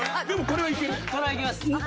これはいけます！